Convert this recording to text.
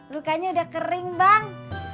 lukanya udah kering bang